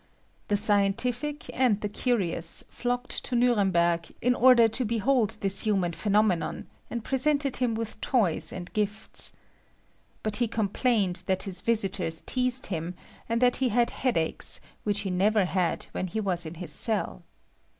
The scientific and the curious flocked to Nuremberg in order to behold this human phenomenon, and presented him with toys and gifts. But he complained that his visitors teased him, and that he had headaches, which he never had when he was in his cell.